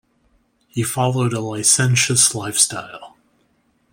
He followed a licentious lifestyle.